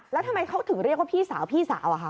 แล้วทำไมเขาถึงเรียกว่าพี่สาวพี่สาวอะคะ